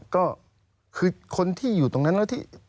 ก็คือคนที่อยู่ตรงนั้นแล้วที่